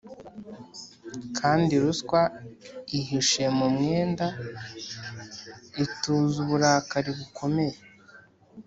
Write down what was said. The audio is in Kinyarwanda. kandi ruswa ihishe mu mwenda ituza uburakari bukomeye